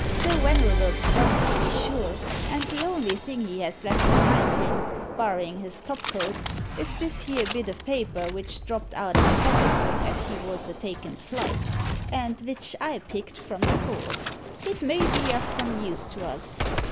"The wenerable's gone, to be sure; and the only thing he has left behind him, barrin' his topcoat, is this here bit o' paper vich dropped out o' the pocket book as he wos a takin' flight, and vich I picked from the floor. It may be o' some use to us.